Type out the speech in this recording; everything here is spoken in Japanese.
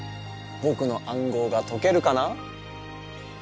僕の暗号が解けるかな？